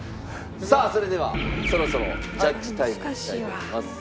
さあそれではそろそろジャッジタイムにいきたいと思います。